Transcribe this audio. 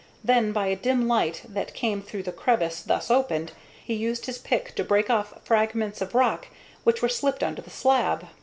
Then, by a dim light that came through the crevice thus opened, he used his pick to break off fragments of rock, which were slipped under the slab.